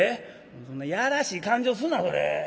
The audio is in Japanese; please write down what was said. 「そんな嫌らしい勘定すなそれ」。